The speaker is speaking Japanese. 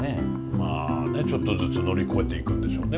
まあねちょっとずつ乗り越えていくんでしょうね